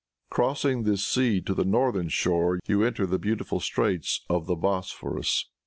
Crossing this sea to the northern shore, you enter the beautiful straits of the Bosporus.